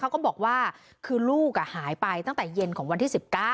ก็บอกว่าคือลูกหายไปตั้งแต่เย็นของวันที่๑๙